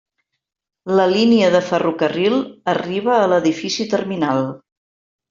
La línia de ferrocarril arriba a l'edifici terminal.